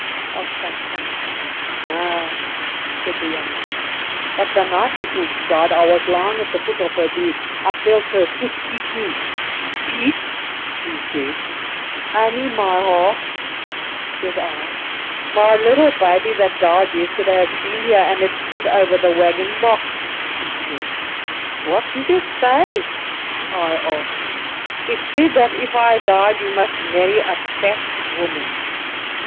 asked Tant Sannie. "No," said the young man; "but the night before she died I was lying at the foot of her bed; I felt her foot kick me. "'Piet,' she said. "'Annie, my heart,' said I. "'My little baby that died yesterday has been here, and it stood over the wagon box,' she said. "'What did it say?' I asked. "'It said that if I died you must marry a fat woman.